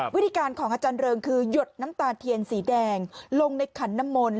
วิธีการของอาจารย์เริงคือหยดน้ำตาเทียนสีแดงลงในขันน้ำมนต